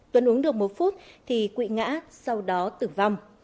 tuấn uống được một phút thì quỵ ngã sau đó tử vong